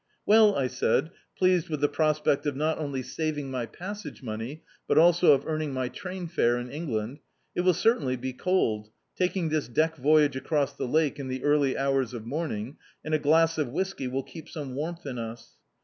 "Well," I said, pleased with the pros pect of not only saving my passage money, but also of earning my train fare in England — "it mil cer tainly be cold, taking this deck voyage across the lake in the early hours of morning, and a glass of whiskey will keep some warmth in us."